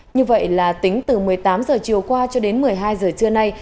như vậy là tính từ một mươi tám h chiều qua cho đến một mươi hai giờ trưa nay